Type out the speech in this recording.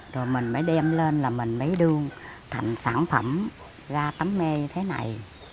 rồi mình mới đem lên là mình mới đưa thành sản phẩm ra tấm mê như thế này